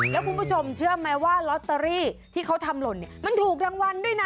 แล้วคุณผู้ชมเชื่อไหมว่าลอตเตอรี่ที่เขาทำหล่นเนี่ยมันถูกรางวัลด้วยนะ